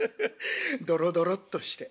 ドロドロッとして。